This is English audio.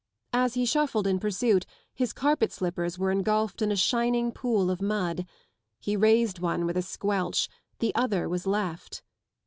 As he shuffled in pursuit his carpet slippers were engulfed in a shining pool of mud : he raised one with a squelch, the other was left.